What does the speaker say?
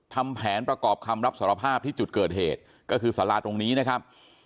ทำแผนประกอบคำรับสารภาพที่จุดเกิดเหตุก็คือสาราตรงนี้นะครับ